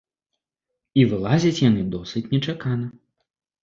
І вылазяць яны досыць нечакана.